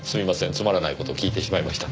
つまらない事訊いてしまいました。